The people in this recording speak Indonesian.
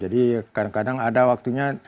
jadi kadang kadang ada waktunya